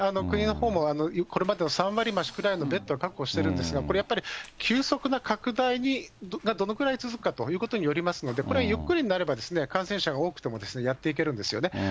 国のほうも、これまでの３割り増しくらいのベッドを確保しているんですが、これやっぱり、急速な拡大にどのくらい続くかということによりますので、これ、ゆっくりになれば、感染者が多くてもやっていけるんですよね。